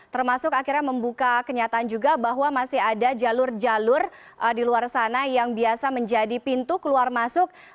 termasuk akhirnya membuka kenyataan juga bahwa masih ada jalur jalur di luar sana yang biasa menjadi pintu keluar masuk